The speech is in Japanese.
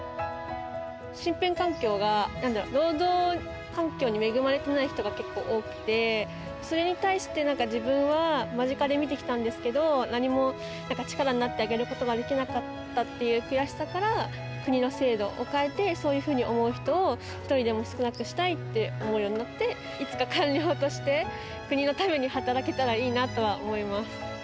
身辺環境が、労働環境に恵まれていない人が結構多くて、それに対して、なんか自分は間近で見てきたんですけど、何も力になってあげることができなかったっていう悔しさから、国の制度を変えて、そういうふうに思う人を、一人でも少なくしたいって思うようになって、いつか官僚として、国のために働けたらいいなと思います。